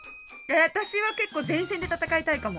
私は結構前線で戦いたいかも。